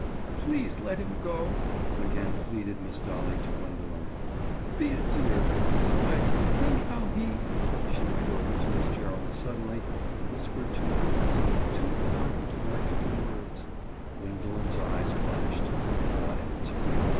"Please let him go," again pleaded Miss Dolly to Gwendoline. "Be a dear. Besides, think how he—" She went over to Miss Gerald suddenly and whispered two words—two ardent electrical words! Gwendoline's eyes flashed but she did not answer.